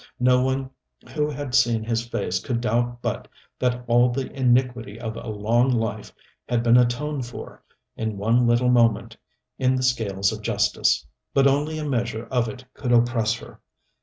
No one who had seen his face could doubt but that all the iniquity of a long life had been atoned for, in one little moment, in the scales of justice. But only a measure of it could oppress her.